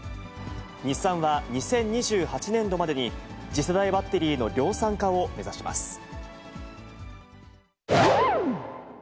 日産は、２０２８年度までに次世代バッテリーの量産化を目指します。